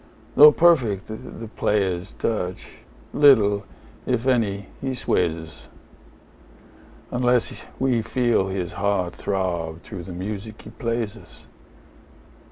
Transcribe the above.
Though perfect the player's touch, little, if any, he sways us, Unless we feel his heart throb through the music he plays us.